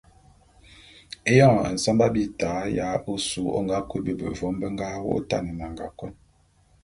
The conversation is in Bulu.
Éyoñ nsamba bita ya ôsu ô nga kui bebé vôm be nga wô’ôtan nnanga kôn.